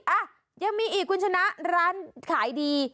อ่ะยังมีอีกคุณชนะร้านขายดี